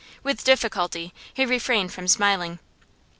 With difficulty he refrained from smiling.